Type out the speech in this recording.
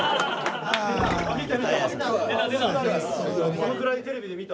このくだりテレビで見た。